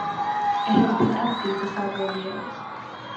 It has been empty for several years.